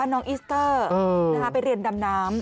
น้องอิสเตอร์ไปเรียนดำน้ำ